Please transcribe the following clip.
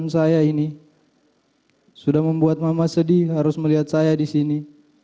sudah membuat mama sedih harus melihat saya di sini